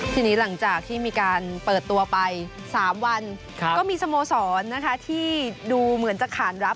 ทีนี้หลังจากที่มีการเปิดตัวไป๓วันก็มีสโมสรนะคะที่ดูเหมือนจะขานรับ